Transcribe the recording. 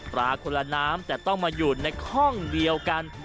คนละน้ำแต่ต้องมาอยู่ในห้องเดียวกัน